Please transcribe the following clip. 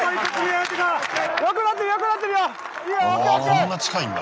こんな近いんだ。